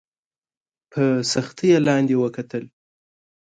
په سختۍ یې لاندي وکتل !